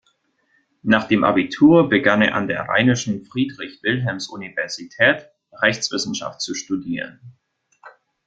Nach dem Abitur begann er an der Rheinischen Friedrich-Wilhelms-Universität Rechtswissenschaft zu studieren.